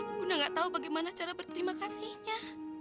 ya tuhan bunda gak tahu bagi mana cara berterima kasih nya